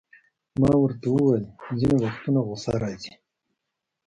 ما ورته وویل: ځیني وختونه غصه راځي.